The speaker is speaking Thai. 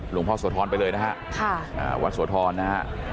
หลวงพ่อโสธรไปเลยนะฮะวัดโสธรนะฮะ